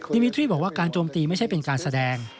มิตรีบอกว่าการโจมตีไม่ใช่เป็นการแสดง